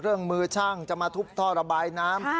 เครื่องมือช่างจะมาทุบท่อระบายน้ำ